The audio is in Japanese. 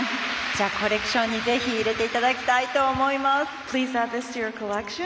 コレクションにぜひ入れていただきたいと思います。